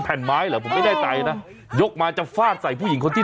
แผ่นไม้เหรอผมไม่แน่ใจนะยกมาจะฟาดใส่ผู้หญิงคนที่